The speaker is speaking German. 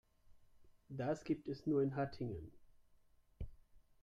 Das gibt es nur in Hattingen